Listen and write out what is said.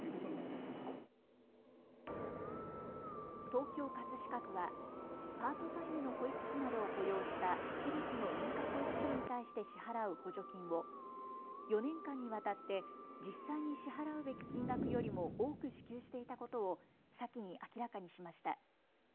東京葛飾区はパートタイムの保育士などを雇用した私立の認可保育所に対して支払う補助金を４年間にわたって実際に支払うべき金額よりも多く支給していたことを先に明らかにしました。